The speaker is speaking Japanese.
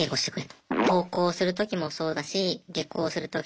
登校する時もそうだし下校する時とか。